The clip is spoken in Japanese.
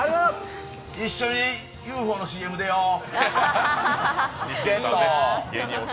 一緒にＵ．Ｆ．Ｏ．のＣＭ出よう。